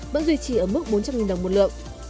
vẫn duy trì ở mức bốn trăm linh đồng một lượng